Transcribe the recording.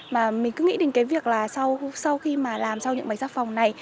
mà mình cứ nghĩ đến cái việc là sau khi mà làm xong những bánh sà phòng này